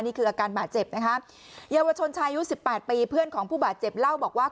นี่คืออาการบาดเจ็บนะคะเยาวชนชายอายุสิบแปดปีเพื่อนของผู้บาดเจ็บเล่าบอกว่า